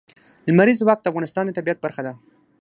لمریز ځواک د افغانستان د طبیعت برخه ده.